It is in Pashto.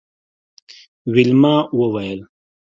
ویلما وویل